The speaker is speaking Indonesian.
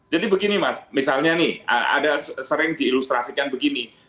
jadi begini mas misalnya nih ada sering diilustrasikan begini